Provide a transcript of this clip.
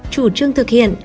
chủ trương thực hiện